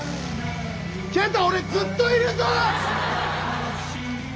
ケンタ俺ずっといるぞ！